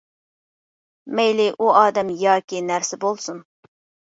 مەيلى ئۇ ئادەم ياكى نەرسە بولسۇن.